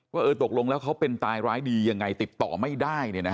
ว่าตกลงแล้วเขาเป็นตายร้ายดียังไงติดต่อไม่ได้